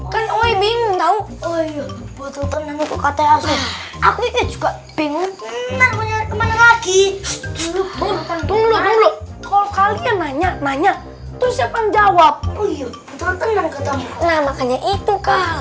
kalau kalian nanya nanya terus jawab itu